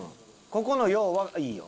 ここの洋はいいよ。